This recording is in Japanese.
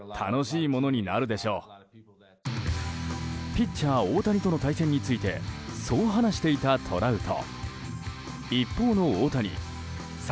ピッチャー大谷との対戦についてそう話していたトラウト。